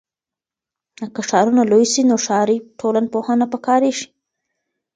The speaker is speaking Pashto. که ښارونه لوی سي نو ښاري ټولنپوهنه پکاریږي.